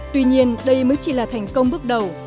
tuy nhiên đây mới chỉ là thành công bước đầu